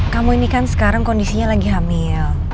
kamu ini kan sekarang kondisinya lagi hamil